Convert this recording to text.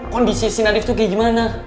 kondisi sinadif tuh kayak gimana